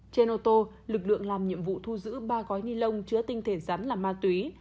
trên ô tô lực lượng làm nhiệm vụ thu giữ ba gói ni lông chứa tinh thể rắn là ma túy